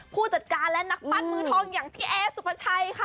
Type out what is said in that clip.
ผู้จัดการและนักปั้นมือทองอย่างพี่เอสุภาชัยค่ะ